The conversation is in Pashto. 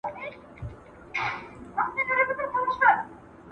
د علم او پوهې دروازې پر خلګو مه تړئ.